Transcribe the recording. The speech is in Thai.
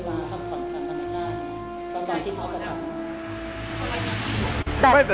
มาทักผ่อนธรรมชาติ